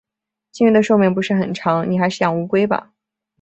金鱼的寿命不是很长，你还是养乌龟吧。